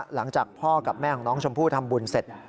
หลังจากพ่อกับแม่ของน้องชมพู่ทำบุญเสร็จ